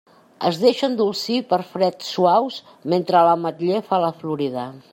Es deixa endolcir per freds suaus mentre l'ametler fa la florida.